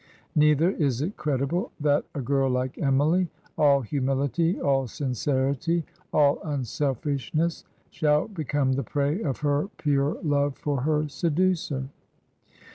Neither is it credible that a girl like Emily, all humility, all sincerity, all unselfish ness, shall become the prey of her pure love for her se ducer.